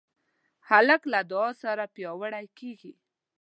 هلک له دعا سره پیاوړی کېږي.